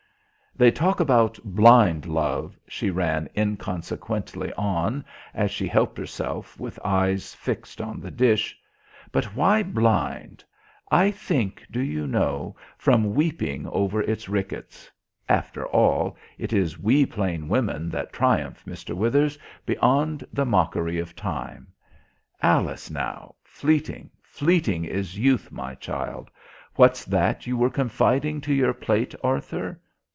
"They talk about 'blind Love,'" she ran inconsequently on as she helped herself, with eyes fixed on the dish, "but why blind? I think, do you know, from weeping over its rickets. After all, it is we plain women that triumph, Mr. Withers, beyond the mockery of time. Alice, now! Fleeting, fleeting is youth, my child! What's that you were confiding to your plate, Arthur?